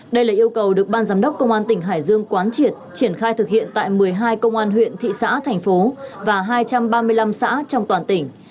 đây là yêu cầu được ban giám đốc công an tỉnh hải dương quán triệt triển khai thực hiện tại một mươi hai công an huyện thị xã thành phố và hai trăm ba mươi năm xã trong toàn tỉnh